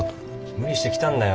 無理して来たんだよ。